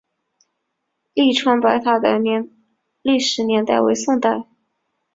栗川白塔的历史年代为宋代。